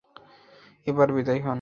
এবার বিদায় হোন!